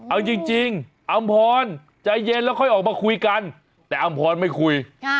เอาจริงอำพรใจเย็นแล้วค่อยออกมาคุยกันแต่อำพรไม่คุย